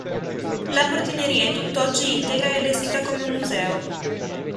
La portineria è tutt'oggi integra e allestita come museo